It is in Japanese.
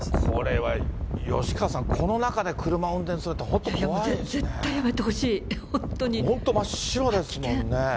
これは吉川さん、この中で車を運転するって、本当、怖いですね。